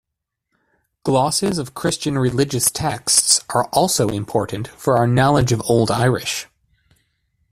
Glosses of Christian religious texts are also important for our knowledge of Old Irish.